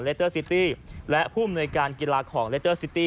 เตอร์ซิตี้และผู้อำนวยการกีฬาของเลสเตอร์ซิตี้